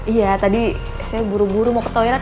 iya tadi saya buru buru mau ke toilet